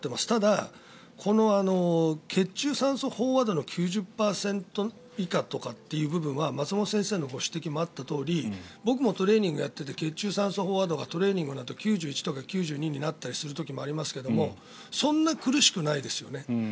ただ、この血中酸素飽和度の９０％以下とかという部分は松本先生のご指摘もあったとおり僕もトレーニングをやっていて血中酸素飽和度がトレーニングのあとは９１とか９２になったりする時もありますけどそんな苦しくないですよね。